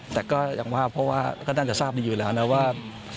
แต่ก็ยังว่าเพราะว่าก็น่าจะทราบดีอยู่แล้วนะว่า